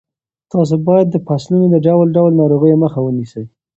تاسو باید د فصلونو د ډول ډول ناروغیو مخه ونیسئ.